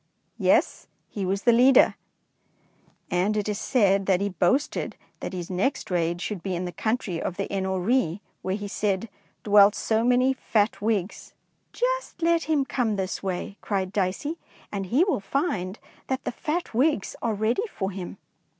"Yes, he was the leader, and it is said that he boasted that his next raid should be in the country of the Eno ree, where he said ' dwelt so many fat Whigs.' " "Just let him come this way," cried Dicey, " and he will find that the fat Whigs are ready for him."